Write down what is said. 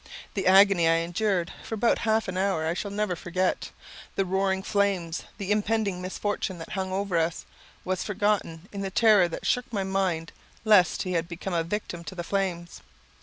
The agony I endured for about half an hour I shall never forget. The roaring flames, the impending misfortune that hung over us, was forgotten in the terror that shook my mind lest he had become a victim to the flames.